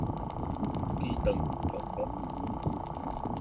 飢腸轆轆